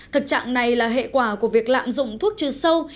thực trạng này là hệ quả của việc lạm dụng thuốc trừ sâu